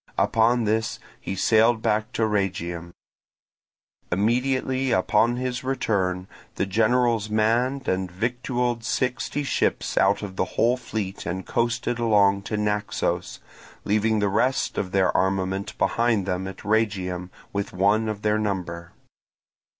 Upon this he sailed back to Rhegium. Immediately upon his return the generals manned and victualled sixty ships out of the whole fleet and coasted along to Naxos, leaving the rest of the armament behind them at Rhegium with one of their number.